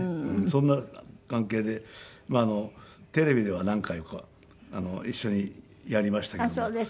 そんな関係でテレビでは何回か一緒にやりましたけども。